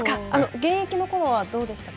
現役のころはどうでしたか。